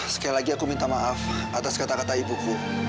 sekali lagi aku minta maaf atas kata kata ibuku